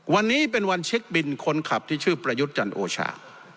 วันนี้เป็นวันเช็คบินคนขับที่ชื่อประยุทธ์จันทร์โอชา